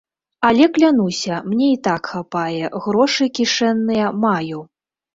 Але клянуся, мне і так хапае, грошы кішэнныя маю.